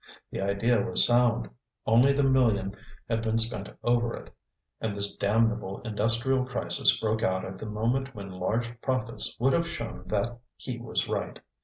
The idea was sound. Only the million had been spent over it, and this damnable industrial crisis broke out at the moment when large profits would have shown that he was right.